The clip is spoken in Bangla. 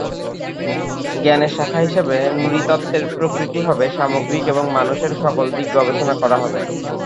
জ্ঞানের শাখা হিসেবে নৃতত্ত্বের প্রকৃতি হবে সামগ্রিক এবং মানুষের সকল দিক গবেষণা করা হবে।